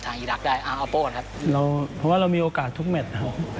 เพราะว่าเรามีโอกาสทุกเม็ดครับ